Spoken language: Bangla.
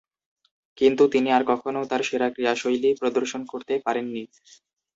কিন্তু তিনি আর কখনও তার সেরা ক্রীড়াশৈলী প্রদর্শন করতে পারেননি।